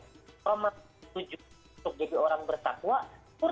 kalau manusia itu jadi orang bersafah